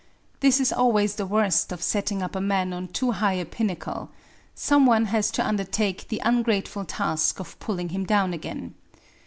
This is always the worst of setting up a man on too high a pinnacle; some one has to undertake the ungrateful task of pulling him down again.